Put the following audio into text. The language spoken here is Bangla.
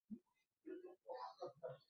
আমাকে এখানে নায়না ডেকেছে।